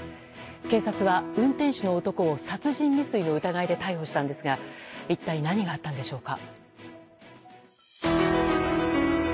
警察は運転手の男を殺人未遂の疑いで逮捕したんですが一体何があったんでしょうか。